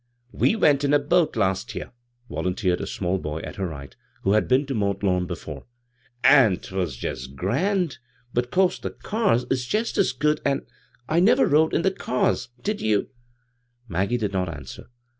" We went in a boat last year," volunteered a small boy at her right, who had been to Mont Lawn before, "an' 'twas jest grand 1 But 'course the cars is jest as good, an' I never rode in the cars ; did you ?" Maggie did not answer.